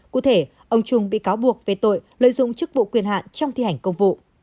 cụ thể ông trung bị cáo buộc về tội lợi dụng chức vụ quyền hạn trong thi hành công vụ